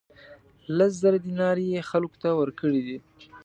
لس زره دینار یې خلکو ته ورکړي دي.